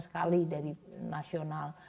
sekali dari nasional